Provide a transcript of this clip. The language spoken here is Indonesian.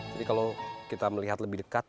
jadi kalau kita melihat lebih dekat